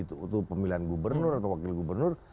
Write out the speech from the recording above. untuk pemilihan gubernur atau wakil gubernur